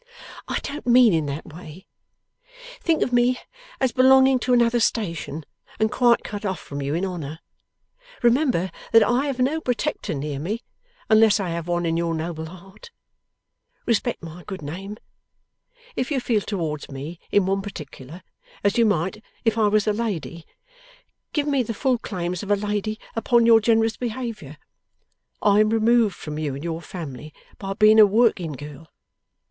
'I don't mean in that way. Think of me, as belonging to another station, and quite cut off from you in honour. Remember that I have no protector near me, unless I have one in your noble heart. Respect my good name. If you feel towards me, in one particular, as you might if I was a lady, give me the full claims of a lady upon your generous behaviour. I am removed from you and your family by being a working girl.